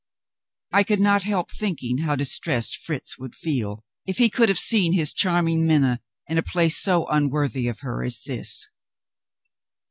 I could not help thinking how distressed Fritz would feel, if he could have seen his charming Minna in a place so unworthy of her as this.